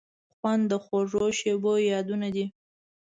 خوند د خوږو شیبو یادونه دي.